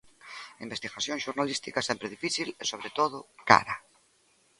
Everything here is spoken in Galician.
A investigación xornalística é sempre difícil e, sobre todo, cara.